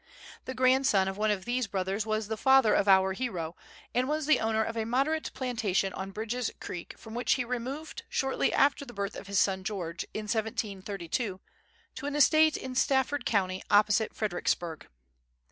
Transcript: The grandson of one of these brothers was the father of our hero, and was the owner of a moderate plantation on Bridges Creek, from which he removed, shortly after the birth of his son, George, in 1732, to an estate in Stafford County, opposite Fredericksburg.